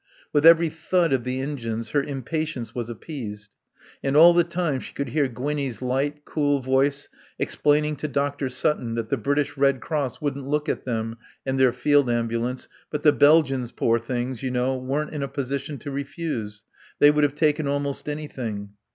With every thud of the engines her impatience was appeased. And all the time she could hear Gwinnie's light, cool voice explaining to Dr. Sutton that the British Red Cross wouldn't look at them and their field ambulance, but the Belgians, poor things, you know, weren't in a position to refuse. They would have taken almost anything.